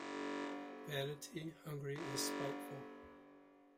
Vanity hungry is spiteful.